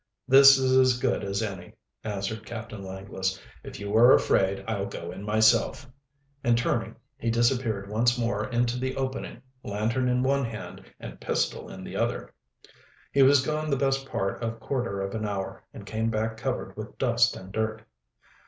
"This is as good as any," answered Captain Langless. "If you are afraid, I'll go in myself," and turning, he disappeared once more into the opening, lantern in one hand and pistol in the other. He was gone the best part of quarter of an hour, and came back covered with dust and dirt.